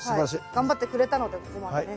頑張ってくれたのでここまでね。